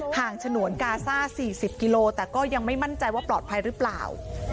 งฉนวนกาซ่า๔๐กิโลแต่ก็ยังไม่มั่นใจว่าปลอดภัยหรือเปล่า